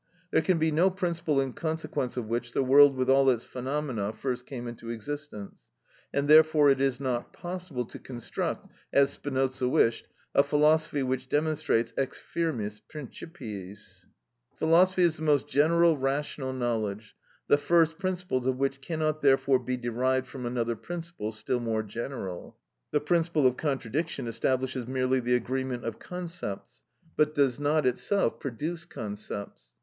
There can be no principle in consequence of which the world with all its phenomena first came into existence, and therefore it is not possible to construct, as Spinoza wished, a philosophy which demonstrates ex firmis principiis. Philosophy is the most general rational knowledge, the first principles of which cannot therefore be derived from another principle still more general. The principle of contradiction establishes merely the agreement of concepts, but does not itself produce concepts.